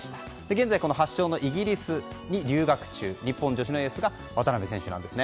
現在発祥のイギリスに留学中の日本女子のエースが渡邉選手なんです。